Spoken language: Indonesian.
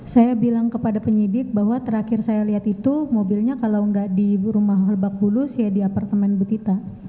saya bilang kepada penyidik bahwa terakhir saya lihat itu mobilnya kalau nggak di rumah lebak bulus ya di apartemen butita